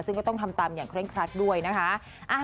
ซึ่งก็ต้องทำตามอย่างเร่งครัดด้วยนะคะ